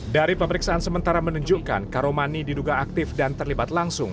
dari pemeriksaan sementara menunjukkan karomani diduga aktif dan terlibat langsung